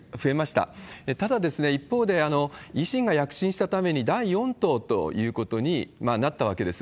ただ、一方で、維新が躍進したために、第４党ということになったわけです。